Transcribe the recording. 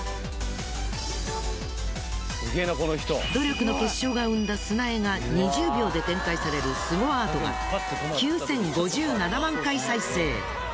努力の結晶が生んだ砂絵が２０秒で展開されるスゴアートが９，０５７万回再生。